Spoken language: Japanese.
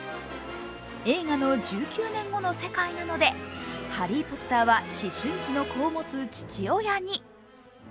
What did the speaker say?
映画の１９年後の世界なのでハリー・ポッターは、思春期の子を持つ父親に。